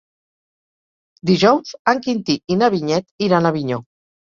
Dijous en Quintí i na Vinyet iran a Avinyó.